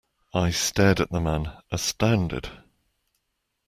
I stared at the man, astounded.